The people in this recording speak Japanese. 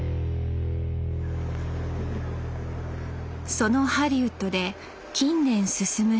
そのハリウッドで近年進む変革。